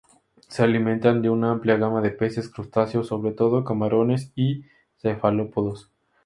Se alimentan de una amplia gama de peces, crustáceos —sobre todo camarones— y cefalópodos.